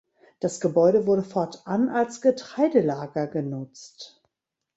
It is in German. Das Gebäude wurde fortan als Getreidelager genutzt.